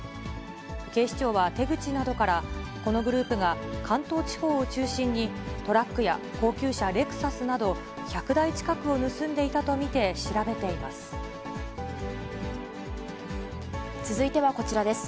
警視庁は手口などから、このグループが関東地方を中心にトラックや高級車、レクサスなど１００台近くを盗んでいたと見て調べています。